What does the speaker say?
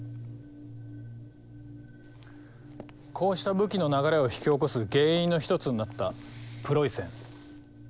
こうした武器の流れを引き起こす原因の一つになったプロイセン。